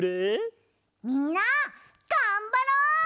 みんながんばろう！